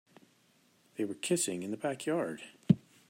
They were kissing in the backyard.